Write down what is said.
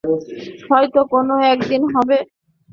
হয়তো কোন একদিন হবে।